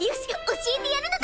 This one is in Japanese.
教えてやるのだ！